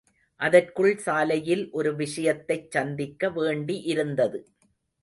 அதற்குள் சாலையில் ஒரு விஷயத்தைச் சந்திக்க வேண்டி இருந்தது.